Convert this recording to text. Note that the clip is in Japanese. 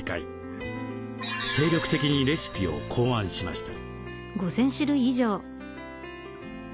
精力的にレシピを考案しました。